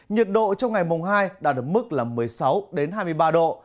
nhiệt độ trong ngày mùng hai đạt được mức là một mươi sáu hai mươi ba độ